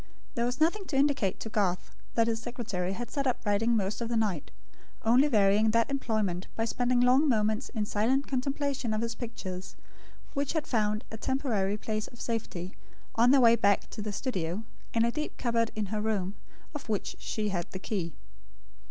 There was nothing to indicate to Garth that his secretary had sat up writing most of the night; only varying that employment by spending long moments in silent contemplation of his pictures, which had found a temporary place of safety, on their way back to the studio, in a deep cupboard in her room, of which she had the key.